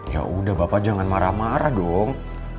ya udah bapak jangan marah marah dong